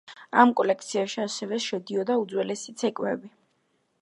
ამ კოლექციაში ასევე შედიოდა უძველესი ცეკვები.